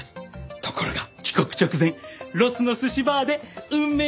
ところが帰国直前ロスの寿司バーで運命の出会いが！